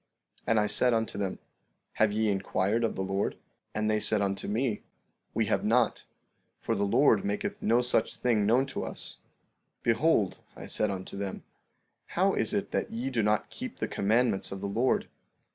15:8 And I said unto them: Have ye inquired of the Lord? 15:9 And they said unto me: We have not; for the Lord maketh no such thing known unto us. 15:10 Behold, I said unto them: How is it that ye do not keep the commandments of the Lord?